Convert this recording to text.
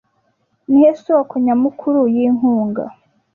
Nihe soko nyamukuru yinkunga